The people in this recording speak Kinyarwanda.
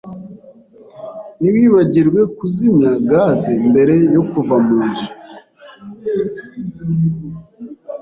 Ntiwibagirwe kuzimya gaze mbere yo kuva munzu.